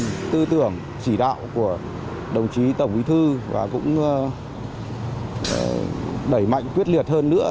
tư tưởng chỉ đạo của đồng chí tổng bí thư và cũng đẩy mạnh quyết liệt hơn nữa